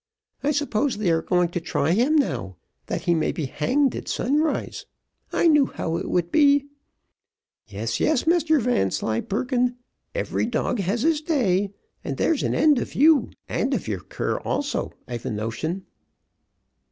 I suppose they are going to try him now, that he may be hanged at sunrise. I knew how it would be. Yes, yes, Mr Vanslyperken, every dog has his day; and there's an end of you, and of your cur also, I've a notion."